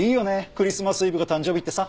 クリスマスイブが誕生日ってさ。